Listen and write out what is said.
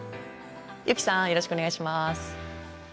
ユキさんよろしくお願いします。